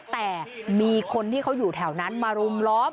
แต่มีคนที่เขาอยู่แถวนั้นมารุมล้อม